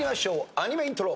アニメイントロ。